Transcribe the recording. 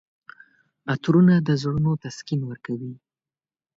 عطرونه د زړونو تسکین ورکوي.